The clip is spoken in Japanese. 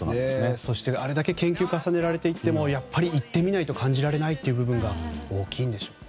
そして、あれだけ研究を重ねられていてもやっぱり行ってみないと感じられないという部分が大きいんでしょうね。